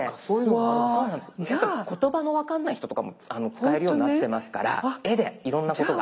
言葉の分かんない人とかも使えるようになってますから絵でいろんなことが。